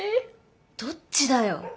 どっちだよ？